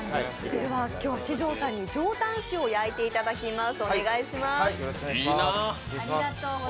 今日は四條さんに上タン塩を焼いていただきます。